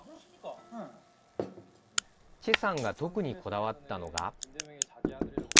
チェさんが特にこだわったのが。